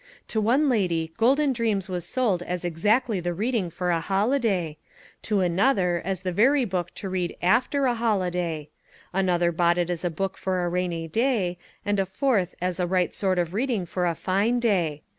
To one lady Golden Dreams was sold as exactly the reading for a holiday, to another as the very book to read AFTER a holiday; another bought it as a book for a rainy day, and a fourth as the right sort of reading for a fine day.